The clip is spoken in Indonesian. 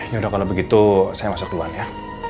yaudah kalau begitu saya masuk duluan ya